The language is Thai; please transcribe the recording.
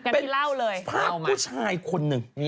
เป็นภาพผู้ชายคนหนึ่ง